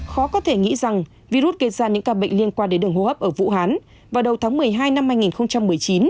khó có thể nghĩ rằng virus gây ra những ca bệnh liên quan đến đường hô hấp ở vũ hán vào đầu tháng một mươi hai năm hai nghìn một mươi chín